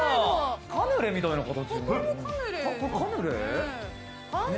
カヌレみたいな形。